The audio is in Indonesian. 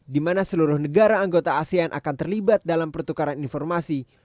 di mana seluruh negara anggota asean akan terlibat dalam pertukaran informasi